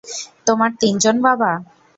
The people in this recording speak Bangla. তোমার তিনজন বাবা?